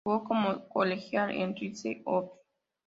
Jugo como colegial en Rice Owls.